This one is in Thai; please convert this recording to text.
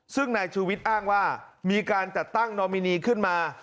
ซึ่งนายชูวิทย์อ้างว่ามีการจัดตั้งนอมินีขึ้นมา